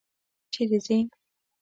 چېرې ځې؟